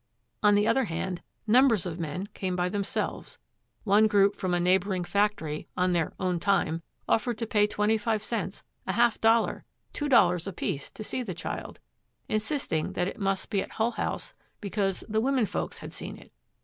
On the other hand, numbers of men came by themselves. One group from a neighboring factory, on their 'own time,' offered to pay twenty five cents, a half dollar, two dollars apiece to see the child, insisting that it must be at Hull House because 'the women folks had seen it.'